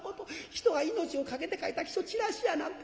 人が命を懸けて書いた起請をチラシやなんて。